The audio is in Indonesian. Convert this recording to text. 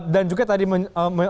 dan juga tadi mencoba